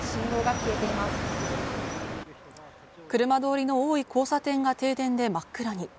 車通りの多い交差点が停電で真っ暗に。